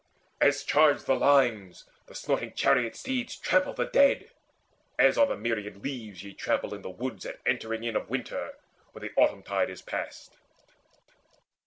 As charged the lines, the snorting chariot steeds Trampled the dead, as on the myriad leaves Ye trample in the woods at entering in Of winter, when the autumn tide is past.